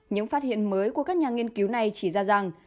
những phát hiện mới của các nhà nghiên cứu này chỉ ra rằng